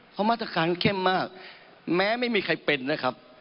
เพราะมาตรการเข้มมากแม้ไม่มีใครเป็นนะครับ